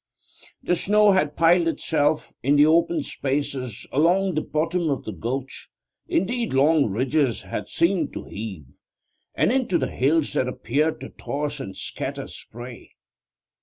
The snow had piled itself, in the open spaces along the bottom of the gulch, into long ridges that seemed to heave, and into hills that appeared to toss and scatter spray.